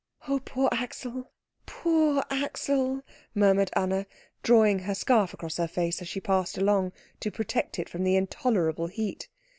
"Oh, poor Axel, poor Axel!" murmured Anna, drawing her scarf across her face as she passed along to protect it from the intolerable heat.